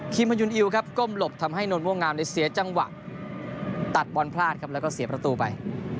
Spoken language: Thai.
มายุนอิวครับก้มหลบทำให้นนทม่วงงามเสียจังหวะตัดบอลพลาดครับแล้วก็เสียประตูไป